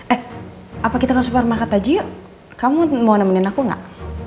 eh apa kita ke supermarket aja yuk kamu mau nemenin aku enggak